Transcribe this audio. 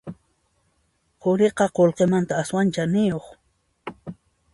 Quriqa qullqimanta aswan chaniyuq